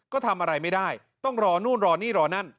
ก็ทำอะไรไม่ได้ต้องรอนู่นรอนี่รอนั่น